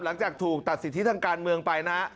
หลังจากถูกตัดสิทธิทางการเมืองไปนะฮะ